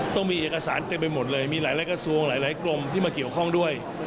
ต้องมีเอกสารเต็มไปหมดเลยมีหลายกระทรวงหลายกรมที่มาเกี่ยวข้องด้วย